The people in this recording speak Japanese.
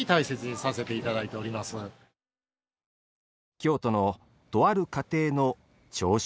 京都の、とある家庭の朝食。